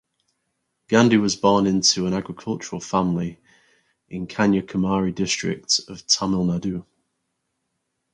Gandhi was born into an agricultural family in Kanyakumari district of Tamil Nadu.